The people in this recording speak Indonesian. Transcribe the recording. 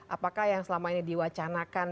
apakah yang selama ini diwacanakan